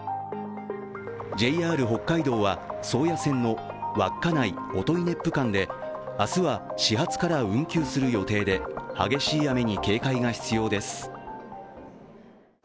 ＪＲ北海道は、宗谷線の稚内−音威子府間で明日は始発から運休する予定で、激しい雨に警戒が必要です。